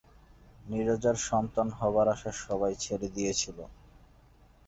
নীরজার সন্তান হবার আশা সবাই ছেড়ে দিয়েছিল।